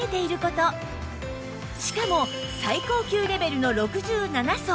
しかも最高級レベルの６７層